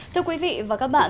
thưa quý vị và các bạn